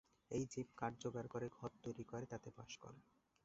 এই জীব কাঠ জোগাড় করে ঘর তৈরি করে তাতে বাস করে।